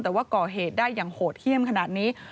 แต่ว่าก่อเหตุได้อย่างโหดเยี่ยมขนาดนี้